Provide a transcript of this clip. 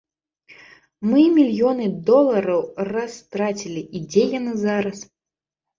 Мы мільёны долараў растрацілі, і дзе яны зараз?